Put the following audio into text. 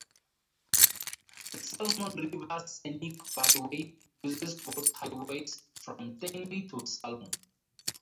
The "Salmon River Scenic Byway" uses both highways, from Stanley to Salmon.